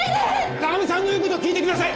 奈緒美さんの言う事を聞いてください！